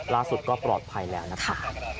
ล่าสุดก็ปลอดภัยแล้วนะคะ